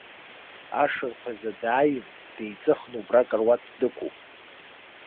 Ашырԥазы дааин, деиҵыхны убра акаруаҭ дықәуп.